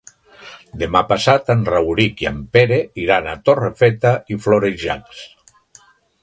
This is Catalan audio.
Demà passat en Rauric i en Pere iran a Torrefeta i Florejacs.